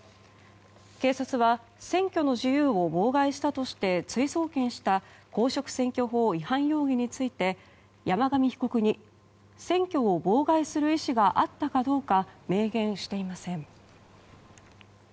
警察は選挙の自由を妨害したとして追送検した公職選挙法違反容疑について山上被告に選挙を妨害する意思があったかどうか明言していません。